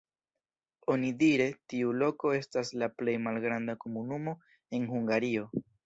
Onidire tiu loko estas la plej malgranda komunumo en Hungario.